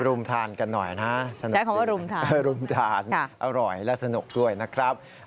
ไปรุมทานกันหน่อยนะอร่อยและสนุกด้วยนะครับ